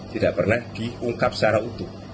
tidak pernah diungkap secara utuh